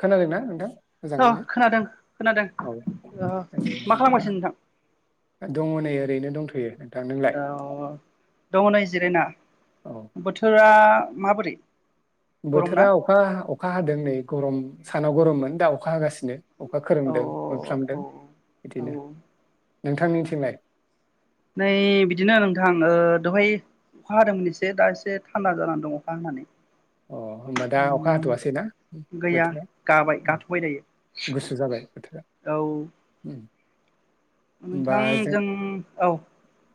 खोनादोंना नोंथां अ मोजाङैनो खोनादों खोनादों औ ओ [unintelligible] दे मा होनबा खालामगासिनो नोंथां दङ नै ओरैनो दंथ'यो नोंथां नोंलाय औ दङ नै जिरायना औ बोथोरा माबोरै गरम ना बोथोरा अखा अखा हादों नै गरम सानाव गरममोन दा अखा हागासिनो अखा औ खोरोमदों मोफ्लामदों औ बिदिनो नोंथांनिथिंलाय नै बिदिनो नोंथां दहाय अखा हादोंमोन एसे दा एसे थान्दा जानानै दं अखा हनानै अ होमबा दा अखा हाथ'वसैनाा गैया बोथोरा गाबाय गाथ'बाय दायो गुसु जाबाय बोथोरा औ नोंथां जों औ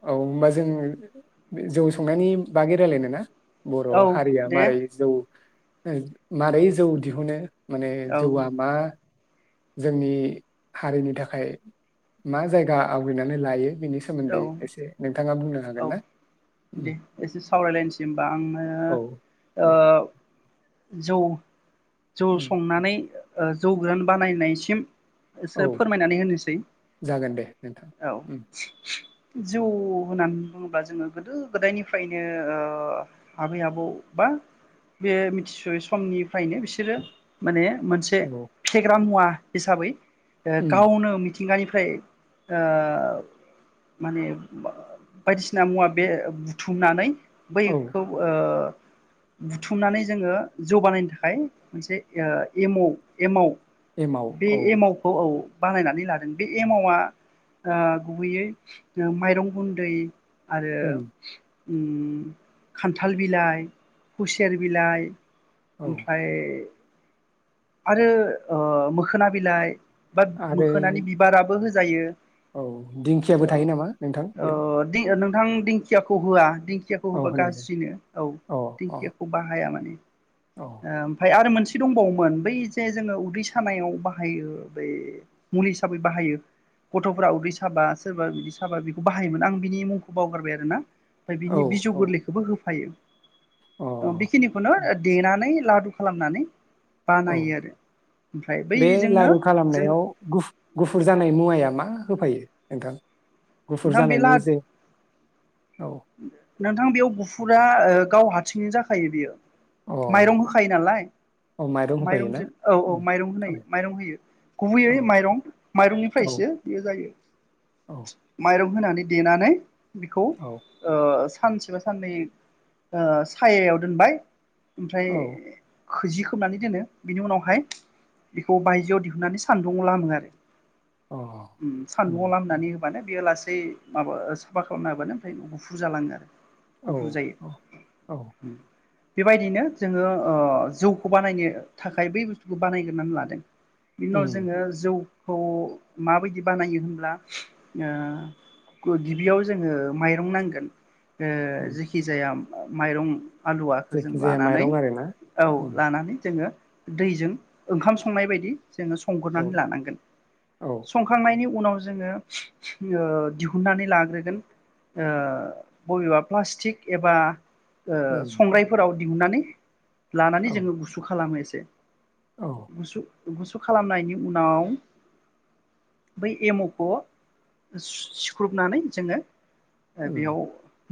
औ होमबा जों जौ संनायनि बागै रायलायनो ना? बर' औ हारिया दे मारै मारै जौ दिहुनो माने औ जौवा मा जोंनि हारिनि थाखाय मा जायगा आवग्रिनानै लायो बेनि औ सोमोन्दै एसे नोंथाङा बुंनो औ हागोन ना? दे उम एसे सावरायलायनोसै होनबा आङो औ ओ दे जौ जौ उम संनानै ओ जौ गोरान बानायनायसिम औ एसे फोरमायनानै होनोसै जागोन दे नोंथां औ उम जौ होननानै बुङोब्ला जोङो गोदो गोदायनिफ्रायनो ओ आबै आबौ बा बे मिथिसयै समनिफ्रायनो बिसोरो माने मोनसे औ फेग्रा मुवा हिसाबै ओ उम गावनो मिथिंगानिफ्राय ओ माने बायदिसिना मुवा बे बुथुमनानै औ बैखौ ओ बुथुमनानै जोङो जौ बानायनो थाखाय मोनसे एमाव एमाव एमाव बे औ एमावखौ औ बानायनानै लादों बे एमावा ओ गुबैयै माइरं गुन्दै आरो उम उम खानथाल बिलाइ खुसेर बिलाइ औ ओमफ्राय आरो ओ मोखोना बिलाइ बा आरो मोखोनानि बिबाराबो हो जायो। औ दिंखियाबो थायो नामा नोंथां ओ बेयाव दि नोंथां दिंखियाखौ होआ दिंखियाखौ औ होबा होनाय जायो गाज्रिनो औ अ अ दिंखियाखौ बाहाया माने औ ओ ओमफ्राय आरो मोन से दंबावोमोन बैजे जोङो उदै सानायाव बाहायो बै मुलि हिसाबै बाहायो गथ'फोरा उदै साबा सोरबा बिदि साबा बेखौ बाहायोमोन आं बिनि मुंखौ बावगारबाय आरोना ओमफ्राय औ बिनि बिजौ औ गोरलैखौबो होफायो। अ बेखिनि खुना देना नानै लादु खालामनानै औ बानायो आरो ओमफ्राय बे बैजोंनो लारु जों खालामनायाव गुफु गुफुर जानाय मुवाया मा होफायो नोंथां गुफुर नोंथां बे ला जानायनि जे औ नोंथां बेयाव गुफुर फुरा गाव हारसिंनो जाखायो बियो अ माइरं होखायो नालाय अ माइरं होफायोना? माइरंजों औ औ उम माइरं औ होनाय माइरं होयो औ गुबैयै माइरं औ माइरंनिफ्रायसो बेयो जायो औ माइरं होनानै देनानै बिखौ औ ओ सानसेबा साननै ओ सायायाव दोनबाय ओमफ्राय औ खोजि खोबनानै दोनो बिनि उनावहाय बेखौ बायजोआव दिहुननानै साननदुङाव लामो आरो अ ओम उम सानदुङाव लामनानै होबानो बेयो लासै बै माबा साफा खालामना होबानो फ्रायनो गुफुर जालाङो आरो औ गुफुर जायो औ औ बेबायदिनो जोङो ओ जौखौ बानायनो थाखाय बै बुसथुखौ बानायग्रोनानै लादों बिनि उनाव उम जोङो जौ खौ माबायदि बानायो होनब्ला ओ गिबियाव जोङो माइ रोंनांगोन ओ उम जेखि जाया माइरं आलुवाखौ जों जायखि जाया लानानै माइरं आरोना औ उम लानानै जोङो दैजों ओंखाम संनाय बायदि जोङो औ संग्रोनै लानांगोन औ संखांनायनि उना उनाव जोङो [unintelligible] ओ दिहुननानै लाग्रोगोन ओ बबेबा प्लास्टिक एबा ओ उम संग्रायफोराव दिहुननानै लानानै औ जोङो गुसु खालामो एसे औ [unintelligible] गुसु गुसु खालामनायनि उनाव बै एमावखौ सिख्रुबनानै जोङो ओ उम बेयाव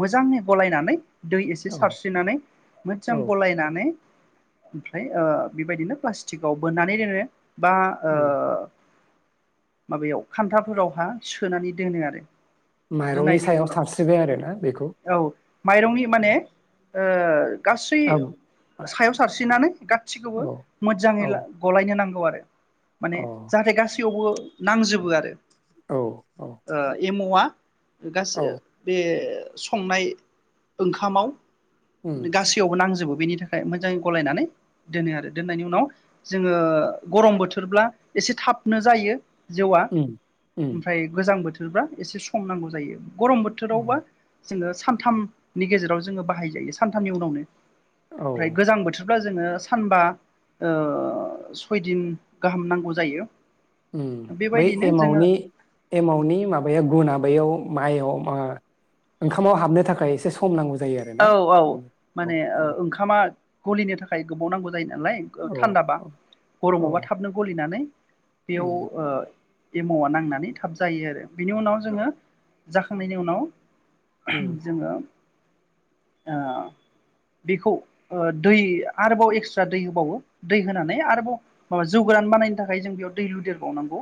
मोजाङै गलायनानै दै एसे औ सारस्रिनानै औ मोजां गलायनानै ओमफ्राय ओ बेबायदिनो प्लास्टिकआव बोननानै दोनो बा ओ उम माबायाव खान्थाफोरावहा सोनानै दोनो आरो माइरंनि दोननायनि सायाव उनाव साबस औ माइरंनि माने ओ गासै औ सायाव सारस्रिनानै गासैखौबो औ मोजाङै गलायनो नांगौ आरो [unintelligible] अ माने जाहाथे गास थेवबो नांजोबो आरो औ औ ओ एम मवा गास ओ औ ओ संनाय ओंखामाव उम गासैयावबो नांजोबो बेनि थाखाय मोजाङै गलायनानै दोनो आरो दोननायनि उनाव जोङो गरम बोथोरब्ला एसे थाबनो जायो जौआ उम उम ओमफ्राय गोजां बोथो थोरब्ला एसे सम नांगौ जायो गरम औ थोरावबा जोङो सानथाम नि गेजेराव जोङो बाहाय जायो सानथामनि उनावनो ओमफ्राय औ गोजां बोथोर ब्ला जोङो सानबा ओ सयदिन गाहाम नांगौ जायो उम बै बेबायदिनो जोङो एमावनि एमावनि माबाया गुना बैयाव माइ अ मा ओंखामाव हाबनो थाखाय एसे सम नांगौ जायो आरोना औ औ उम, औ माने ओ औ ओंखामा गलिनो थाखाय गोबाव नांगौ जायो नालाय गो औ थान्दाबा औ गरमावबा थाबनो गलिनानै बेयाव उम ओ एमावा नांनानै थाब जायो आरो बिनि उनाव जोंङो जाखांनायनि उनाव उम जोंङो ओ बेखौ ओ दै आरोबाव एक्सरा दै होबावो दै होनानै आरोबाव जौ गोरान बानायनो थाखाय जों बेयाव दै लुदेरबावनांगौ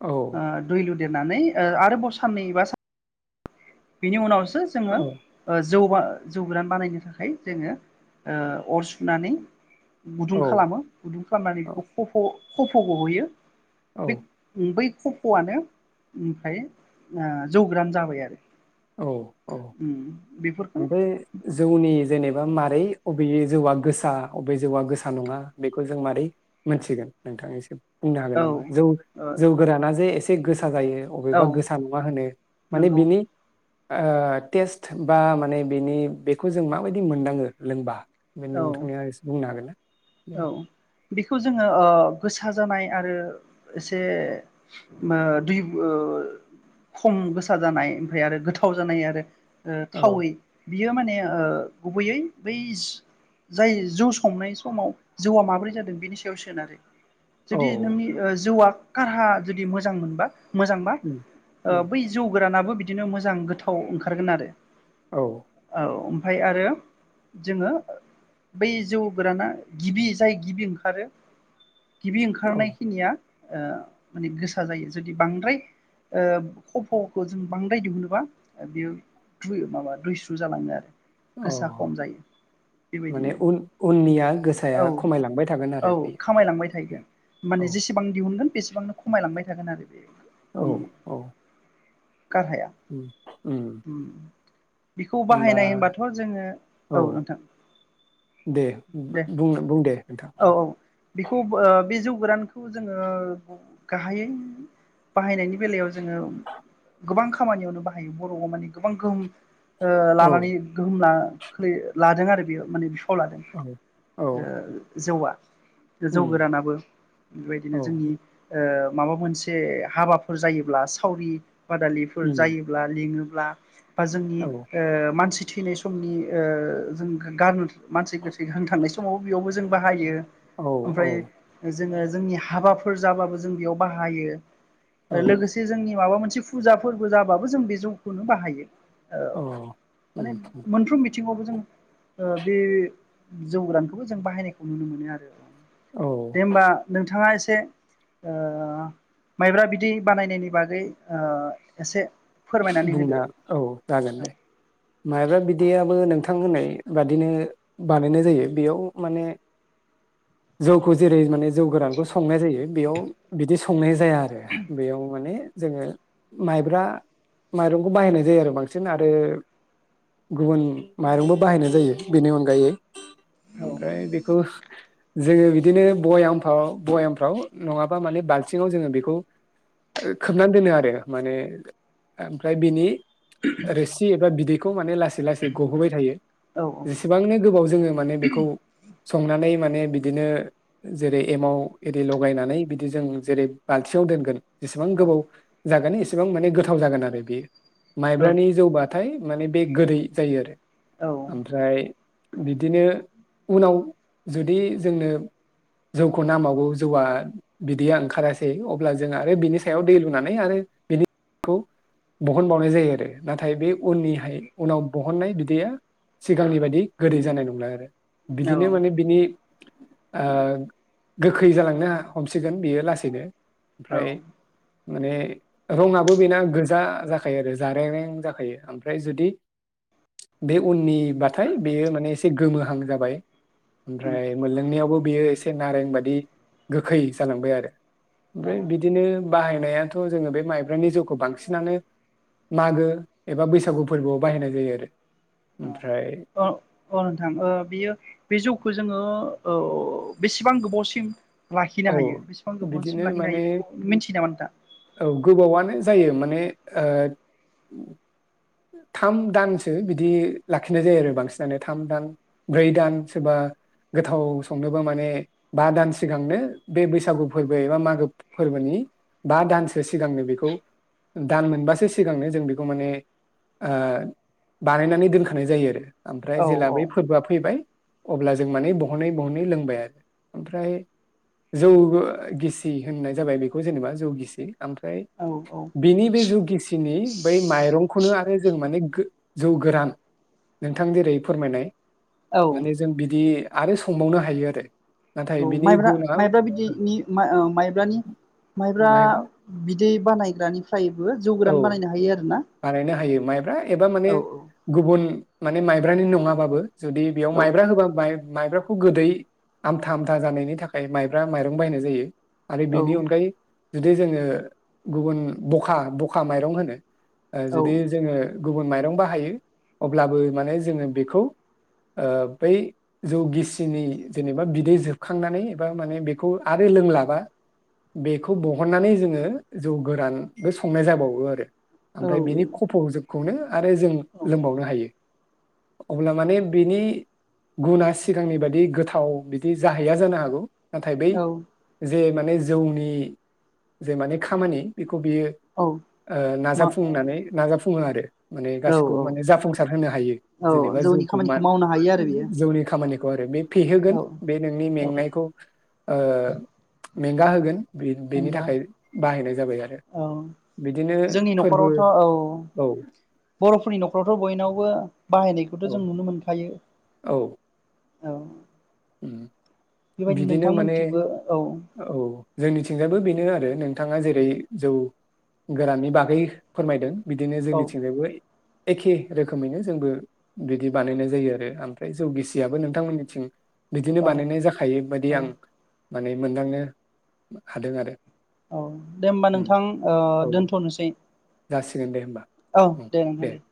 औ दैलु दोनानै आरोबाव साननै बा बिनि उनाव औ [unintelligible] जों [unintelligible] जौबा - जौ गोरान बानायनो थाखाय जोंङो अर सुनानै गुदुं औ खालामो गुदुं खालामनानै औ बेखौ खफ' खफ' गहोयो। औ बे बै खफ'आनो ओमफ्राय जौग्रान ओ जाबाय आरो औ उम बेफोरखौ ओमफ्राय जौनि जेनेबा मारो अबे जौआ गोसा अबे जौआ गोसा नङा बेखौ जों मारै मोनथिगोन नोंथां एसे बुंनो हागोन औ नामा? जौ ओ - जौ गोराना जे एसे [unintelligible] जायो औ बबेबा गोसा नङा होनो माने नंगौ बिनि ओ टेस्ट ओ माने बेनि बेखौ जों माबायदि मोनदाङो लोंबा बे औ नोंथांनिया एसे बुंनो हागोन ना औ बेखौ जोंङो ओ गोसो गोसा जानाय आरो एसे दै ओ खम गोसा जानाय ओमफ्राय आरो गोथाव जानाय आरो औ थावै बियो माने ओ गुबैयै बै जाय जौ संनाय समाव जौआ माबोरै जादों बेनि सायाव सोनारो औ जुदि नोंनि जौआग कारहा जुदि मोजां मोनबा मोजांबा उम ओ उम बै जौ गोरानाबो बिदिनो मोजां गोथाव ओंखारगोन आरो औ औ ओमफ्राय आरो जोंङो बै जौ गोराना गिबि जाय गिबि ओंखारो गिबि औ ओंखारनायखिनिया ओ माने गोसा जायो जुदि बांद्राय ओ खफ'खौ जों बांद्राय दिहुबा बेयो दैसु माबा दुइस्रु जालाङो आरो अ गोसा खम जायो माने बेबायदिनो उन उननिया गो औ औ खामायलांबाय थागोन औ माने जेसेबां दि हुनगोन बेसेबांनो खमायलांबाय थागोन आरो बेयो औ उम औ गाहाया उम उम बेखौ होमबा बाहायनाय होनबाथ' जोङो औ नोंथां दे दे बुं बुं दे नोंथां औ औ बेखौ बे ओ जौ गोरानखौ जोङो गाहायै बाहायनायनि बेलायाव जोङो गोबां खामानियावनो बाहायो बर'आव माने गोबां गोहोम ओ औ लानानै गोहोम ला खोलैयो लादों आरो बियो माने अ लादों औ औ हेल जौआ जौ उम गोरानाबो बेबायदिनो औ जोंनि ओ माबा मोनसे हाबाफोर जायोब्ला सावरि बादालिफोर उम जायोब्ला लिङो ब्ला बा ओ जोंनि औ मानसि थैनाय समनि ओ जों बेखौ गारनो मानसि गोथै थांनाय समावबो बेयावबो जों बाहायो। औ औ ओमफ्राय जोङो जोंनि हाबाफोर जाबाबो जों बेयाव बाहायो। लोगोसे जोंनि माबा मोनसे थि फुजा फोरबो जाबाबो जों बे जौखौनो बाहायो। ओ औ माने उम मोनफ्रोम बि थिङावबो जों ओ बे जौ गोरानखौबो जों बाहायनायखौ नुनो मोनो आरो औ दे होमबा नोंथाङा ए से ओ माइब्रा बिदि बानायनायनि बागै ओ एसे फोरमायनानै बुंना होदो औ जागोन दे माइब्रा बिदियाबो नोंथां होननाय बादिनो बानायनाय जायो बेयाव माने जौखौ जेरै माने जौ गोरानखौ संनाय जायो बेयाव बिदि संनाय जाया आरो बेयाव माने जोङो माइब्रा माइरंखौ बाहायनाय जायो आरो बांसिन आरो गुबुन माइरंबो बाहायनाय जायो बेनि अनगायै औ ओमफ्राय बेखौ जोङो बिदिनो बयामफ्राव बयामफ्राव नङाबा माने बालथिङाव जोङो बेखौ ओ खोबनानै दोनो आरो माने ओमफ्राय बिनि रोसि एबा बिदैखौ माने लासै लासै गहोबाय थायो। औ जेसेबांनो गोबाव जोङो माने बेखौ संनानै माने बिदिनो जेरै एमाव एरि लगायनानै बिदि जों जेरै बालथियाव दोनगोन जेसेबां औ गोबाव जागोन एसेबां माने गोथाव गोथाव जागोन आरो बे माइब्रानि जौ बा नाथाय माने बे गोदै जायो आरो औ ओमफ्राय बिदिनो उनाव जुदि जोंनो जौखौ नांबाववो जौआ बिदैया ओंखारासै अब्ला जों आरो बिनि सायाव दै लुनानै आरो बिदि खौ बहनबावनाय जायो आरो नाथाय बे उननिहाय उनाव बहननाय बिदैया सिगांनि बादि गोदै जानाय नंला आरो बिदिनो माने औ बिनि ओ गोखै जालांनो हमसिगोन बियो लासैनो ओमफ्राय माने रङा [unintelligible] गोजा जाखायो आरो जारेंरें जाखायो ओमफ्राय जुदि बे उननिबाथाय बेयो माने एसे गोमोहां जाबाय। ओमफ्राय मोनलोंनायावबो बेयो ए से नारें बादि गोखै जालांबाय आरो ओमफ्राय औ बिदिनो बाहायनायाथ' जो बे माइ नि जौखौ बांसिनानो मागो एबा बैसागु फोरबोआव बाहायनाय जायो आरो अ ओमफ्राय अ नोंथां बियो बे जौ खौ जोङो ओ बेसेबां गोबावसिम औ लाखिनो हायो बेसेबां बिदिनो गोबावसिम लाखिनो माने हायो बेखौ मिथियो नामा नोंथाङा? औ गोबावानो जायो माने ओ थाम दानसो बिदि लाखिनाय जायो आरो बांसिनानो थाम दान ब्रै दान सोरबा गोथाव संनोबो माने बा दान सिगांनो बे बैसागु फोरबो एबा मागो फोरबोनि बा दानसो सिगांनो बेखौ दान मोनबासो सिगांनो जों बेखौ माने ओ बानायनानै दोनखानाय जायो आरो ओमफ्राय औ जेला बै फोरबोआ फैबाय अब्ला जों माने बहनै बहनै लोंबाय आरो ओमफ्राय जौ गिसि होननाय जाबाय बेखौ जेनेबा जौ गिसि ओमफ्राय औ औ बिनि बे जौ गिसिनि बै माइरंखौनो आरो जों माने जौ गोरान नोंथां जेरै फोरमायनाय औ माने जों बिदि आरो संबावनो हायो आरो नाथाय बिनि गुना बिदिनि माइ ओ माइब्रानि माइब्रा बिदै बानायग्रानिफ्रायबो जौ औ गोरान बानायनो हायो आरो ना बानायनो हायो माइब्रा एबा माने गुबुन माने माइब्रानि नङाबाबो जुदि बेयाव औ माइब्रा होबा माइ माइब्राखौ गोदै आमथा आमथा जानायनि थाखाय माइब्रा माइरं बायनाय जायो। आरो औ बिनि अनगायै जुदि जोङो गुबुन बखा बखा माइरं होनो औ जुदि जोङो गुबुन माइरं बाहायो अब्लाबो माने जोङो बेखौ बै जौ गिसिनि जेनेबा बिदै जोबखांनानै एबा माने बेखौ आरो लोंलाबा बेखौ बहननानै जोङो जौ गोरानबो संनाय जाबावो आरो ओमफ्राय बिनि औ खफ'खौ जोब खौनो आरो जों औ लोंबावनो हायो। अब्ला माने बिनि गुनाआ सिगांनि बादि गोथाव बिदि जाहैया जानो हागौ नाथाय बै औ बे माने जौनि जे माने खामानि बे बियो औ नाज मा फुंनानै औ नाजाफुङो आरो माने गासिखौबो औ माने जाफुंसार होनो हायो औ जेनेबा जौनि जौखौ मा खामानिखौ मावनो हायो आरो बियो जौनि खामानिखौ [unintelligible] फेहोगोन औ बे नोंनि औ मेंनायखौ ओ मेंगा होगोन बेनि नंगौ थाखाय बाहायनाय जाबाय आरो औ बिदिनो जोंनि फोरबो नखरावथ' औ औ बर'फोरनि नखरावथ' बयनावबो बाहायनायखौ खौथ' औ जों नुनो मोनखायो। औ औ उम बेबायदिनो बिदिनो नोंथांमोननिथिंबो औ जोंनि थिंजायबो बेनो आरो नोंथाङा जेरै जौ गोराननि बागै फोरमायदों। बिदिनो औ जोंनि थिंजायबो एखे रोखोमैनो जोंबो बिदि बानायनाय जायो आरो ओमफ्राय जौ गिसियाबो नोंथांमोननिथिं बिदिनो औ बानायनाय जाखायो बायदि औ आं माने मोनदांनो हादों आरो औ दे होनोबा उम नोंथां औ दोनथ'नोसै। जासिगोन दे होनोमबा। औ दे नोंथां दे।